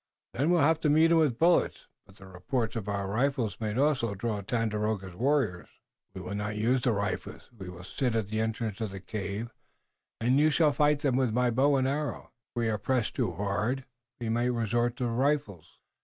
"Then we'll have to meet 'em with bullets, but the reports of our rifles might also draw Tandakora's warriors." "We will not use the rifles. We will sit at the entrance of the cave, and you shall fight them with my bow and arrows. If we are pressed too hard, we may resort to the rifles."